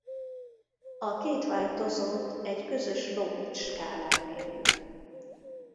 A két változót egy közös logit-skálán mérjük.